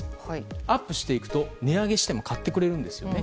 アップしていくと値上げしても買っていくんですよね。